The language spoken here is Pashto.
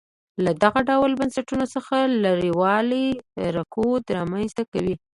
له دغه ډول بنسټونو څخه لرېوالی رکود رامنځته کوي.